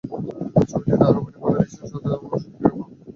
ছবিটিতে আরও অভিনয় করেন রিচা চাদ্ধা, সুপ্রিয়া পাঠক, গুলশান দেবিয়া প্রমুখ।